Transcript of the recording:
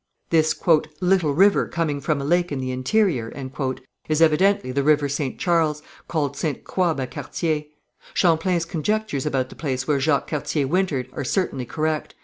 This "little river coming from a lake in the interior," is evidently the river St. Charles, called Ste. Croix by Cartier. Champlain's conjectures about the place where Jacques Cartier wintered, are certainly correct.